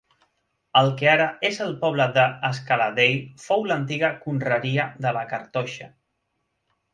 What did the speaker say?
El que ara és el poble d'Escaladei fou l'antiga conreria de la cartoixa.